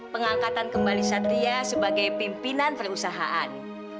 pengangkatan kembali satria sebagai pimpinan perusahaan